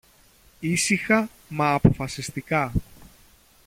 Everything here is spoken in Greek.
Ήσυχα, μα αποφασιστικά